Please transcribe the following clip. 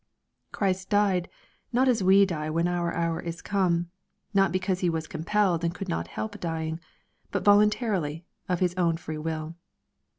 Christ died, not as we die when our hour is come, — not because He was compelled and could not help dying, — ^but volunta rily, and of His own free will.